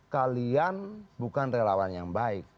kalian bukan relawan yang baik